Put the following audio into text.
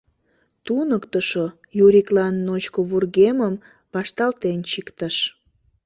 Туныктышо Юриклан ночко вургемым вашталтен чиктыш.